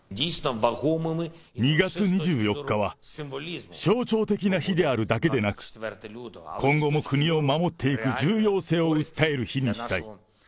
２月２４日は象徴的な日であるだけでなく、今後も国を守っていく重要性を訴える日にしたい。